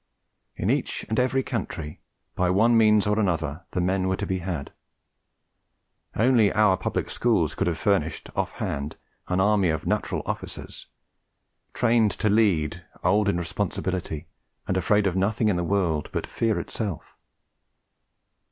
In each and every country, by one means or the other, the men were to be had: only our Public Schools could have furnished off hand an army of natural officers, trained to lead, old in responsibility, and afraid of nothing in the world but fear itself.